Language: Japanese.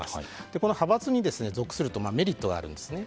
この派閥に属するとメリットがあります。